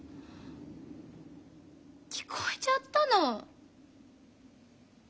聞こえちゃったの。